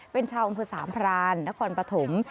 เป็นชาวอำเภอสามพรานนครปฐม